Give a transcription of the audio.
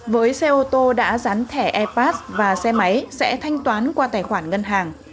với xe ô tô đã dán thẻ airpas và xe máy sẽ thanh toán qua tài khoản ngân hàng